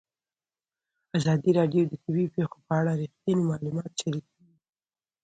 ازادي راډیو د طبیعي پېښې په اړه رښتیني معلومات شریک کړي.